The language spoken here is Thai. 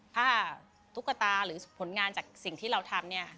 ถ้าตุ๊กตาหรือผลงานจากสิ่งที่เราทำเนี่ย